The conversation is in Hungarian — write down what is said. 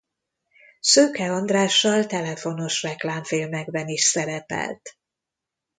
Szőke Andrással telefonos reklámfilmekben is szerepelt.